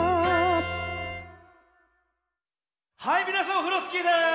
はいみなさんオフロスキーです！